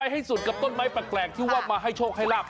ให้สุดกับต้นไม้แปลกที่ว่ามาให้โชคให้ลาบ